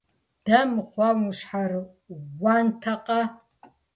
Дэр мыхъуамэ, ущхьэрыуэнтэкъэ?